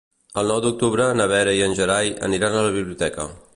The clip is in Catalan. El nou d'octubre na Vera i en Gerai aniran a la biblioteca.